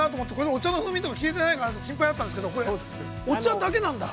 お茶の風味とか消えてないかと心配だったんですがお茶だけなんだ。